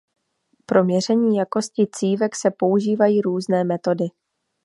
Pro měření jakosti cívek se používají různé metody.